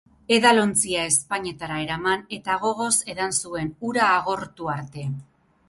Edalontzia ezpainetara eraman eta gogoz edan zuen, ura agortu arte.